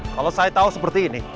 kalau saya tahu seperti ini